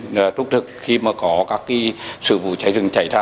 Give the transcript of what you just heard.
để thúc thực khi có các sự vụ cháy rừng chảy ra